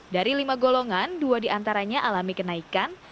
dari lima golongan dua diantaranya alami kenaikan